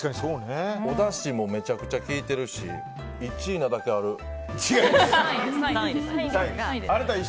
おだしもめちゃくちゃ効いてるし３位です。